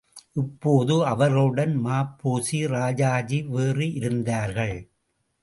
இப்போது அவர்களுடன் ம.பொ.சி., ராஜாஜி வேறு இருந்தார்கள்.